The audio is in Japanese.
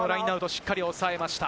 しっかり抑えました。